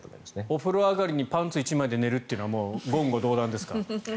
お風呂上がりにパンツ１枚で寝るというのはもう言語道断ですか？